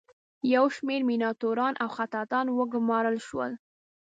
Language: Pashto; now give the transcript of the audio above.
یو شمیر میناتوران او خطاطان وګومارل شول.